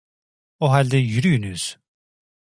O halde yürüyünüz!